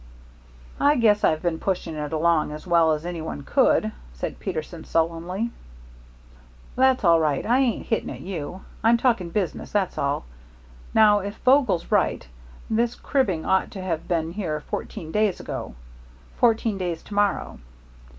"I guess I've been pushing it along as well as any one could," said Peterson, sullenly. "That's all right. I ain't hitting at you. I'm talking business, that's all. Now, if Vogel's right, this cribbing ought to have been here fourteen days ago fourteen days to morrow."